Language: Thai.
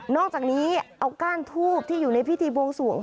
อกจากนี้เอาก้านทูบที่อยู่ในพิธีบวงสวง